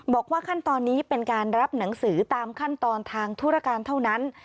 บอกว่าขั้นตอนนี้เป็นการรับหนังสือตามขั้นตอนทางธุรการเท่านั้น